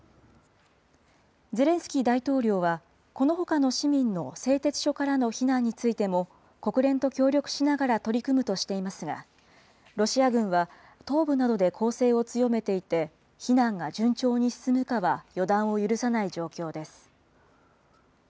ゼレンスキー大統領は、このほかの市民の製鉄所からの避難についても、国連と協力しながら取り組むとしていますが、ロシア軍は東部などで攻勢を強めていて、避難が順調に進むかは予断を許さない状況です。